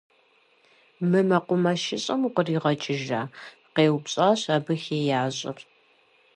Мы мэкъумэшыщӀэм укъригъэкӀыжа? - къеупщӀащ абы хеящӀэр.